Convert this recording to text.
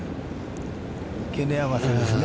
距離合わせですね。